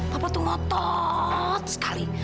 papa tuh ngotot sekali